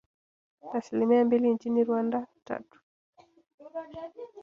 asilimia mbili nchini Rwanda tatu